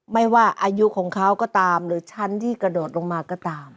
ไม่ว่าอายุของเขาก็ตามหรือชั้นที่กระโดดลงมาก็ตาม